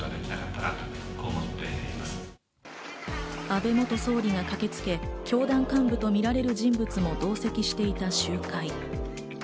安倍元総理が駆けつけ、教団幹部とみられる人物も同席していた集会。